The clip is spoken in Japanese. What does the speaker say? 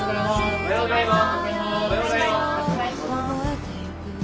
おはようございます。